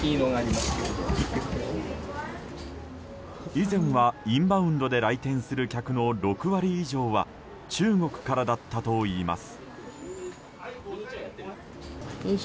以前はインバウンドで来店する客の６割以上は中国からだったといいます。